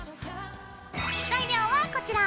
材料はこちら！